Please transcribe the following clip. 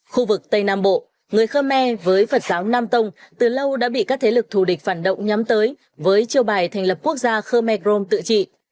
khu vực tây nam bộ người khơ me với phật giáo nam tông từ lâu đã bị các thế lực thù địch phản động nhắm tới với chiêu bài thành lập quốc gia khơ me crom tự trị